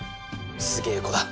すげえ子だ。